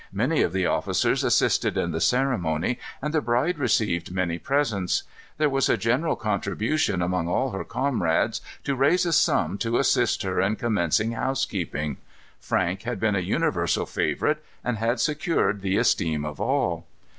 Many of the officers assisted in the ceremony, and the bride received many presents. There was a general contribution among all her comrades to raise a sum to assist her in commencing housekeeping. Frank had been a universal favorite, and had secured the esteem of all.